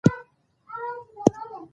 احمدشاه بابا د ولس د یووالي سمبول دی.